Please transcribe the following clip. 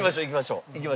いきましょう。